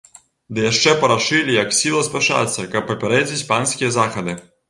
Ды яшчэ парашылі як сіла спяшацца, каб папярэдзіць панскія захады.